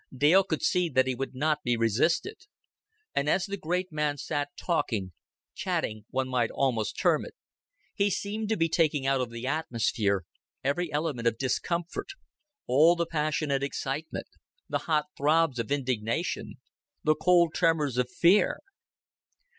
Dale could see that he would not be resisted. And as the great man sat talking chatting, one might almost term it he seemed to be taking out of the atmosphere every element of discomfort, all the passionate excitement, the hot throbs of indignation, the cold tremors of fear.